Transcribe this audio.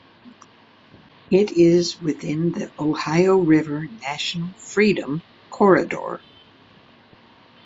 It is within the Ohio River National Freedom Corridor.